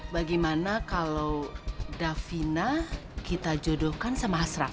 bagaimana kalau davina kita jodohkan sama hasrak